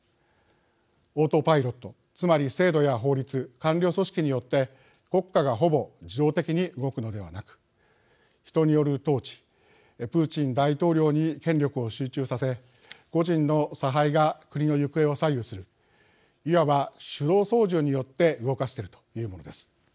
オートパイロットつまり、制度や法律官僚組織によって国家がほぼ自動的に動くのではなく人による統治プーチン大統領に権力を集中させ個人の差配が国の行方を左右するいわば手動操縦によって動かしているというものです。